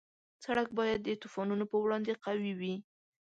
سړک باید د طوفانونو په وړاندې قوي وي.